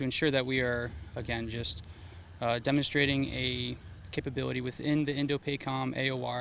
untuk memastikan kita menunjukkan kemampuan di indopaycom aor